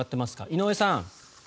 井上さん。